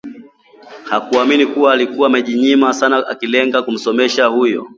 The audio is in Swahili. Hakuamini kuwa alikuwa amejinyima sana akilenga kumsomesha huyo